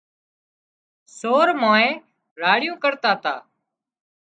سور مانئين راڙيون ڪرتا تا